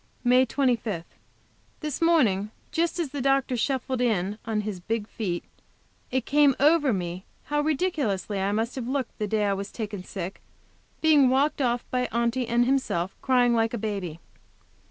MAY 25. This morning, just as the doctor shuffled in on his big feet, it came over me how ridiculously I must have looked the day I was taken sick, being walked off between Aunty and himself, crying like a baby.